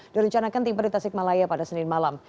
direncanakan timper di tasik malaya pada senin malam